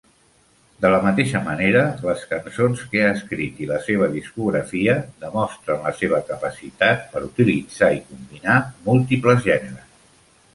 De la mateixa manera, les cançons que ha escrit i la seva discografia demostren la seva capacitat per utilitzar i combinar múltiples gèneres.